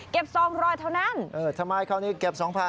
เก็บ๒๐๐เท่านั้นทำไมเขานี้เก็บ๒๐๐๐